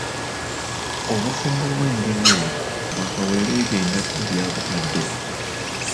Obufumbo obw'engeri eyo bwa kaweereege nga ddya lya bukadde.